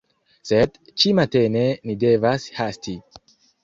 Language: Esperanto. Sed, Ĉi matene ni devas hasti